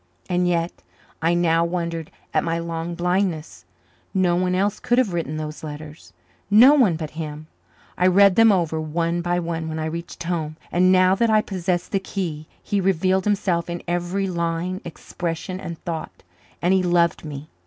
And yet I now wondered at my long blindness. No one else could have written those letters no one but him. I read them over one by one when I reached home and, now that I possessed the key, he revealed himself in every line, expression, thought. And he loved me!